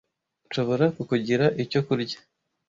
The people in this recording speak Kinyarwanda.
Nshobora kukugira icyo kurya.